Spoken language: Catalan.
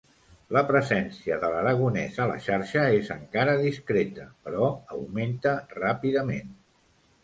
La presència de l'aragonès a la xarxa és encara discreta, però augmenta ràpidament.